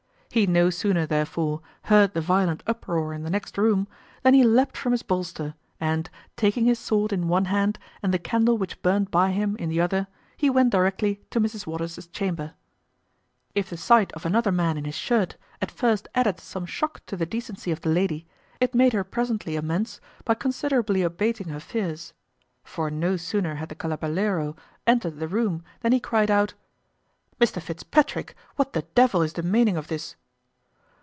He no sooner, therefore, heard the violent uproar in the next room, than he leapt from his bolster, and, taking his sword in one hand, and the candle which burnt by him in the other, he went directly to Mrs Waters's chamber. If the sight of another man in his shirt at first added some shock to the decency of the lady, it made her presently amends by considerably abating her fears; for no sooner had the calabalaro entered the room than he cried out, "Mr Fitzpatrick, what the devil is the maning of this?"